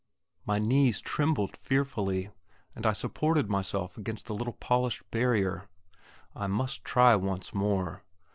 My knees trembled fearfully, and I supported myself against the little polished barrier. I must try once more.